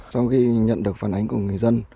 sau khi nhận được phần ánh của người dân